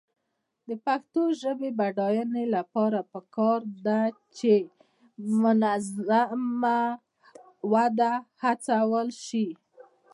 د پښتو ژبې د بډاینې لپاره پکار ده چې منظمه وده هڅول شي.